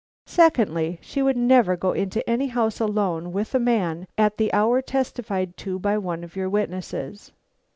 Secondly, she would never go to any house alone with a man at the hour testified to by one of your witnesses."